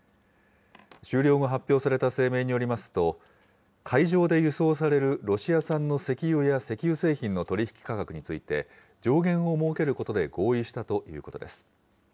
終了後発表された声明によりますと、海上で輸送されるロシア産の石油や石油製品の取り引き価格について、上限を設けることで合意したということです。